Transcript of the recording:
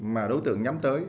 mà đối tượng nhắm tới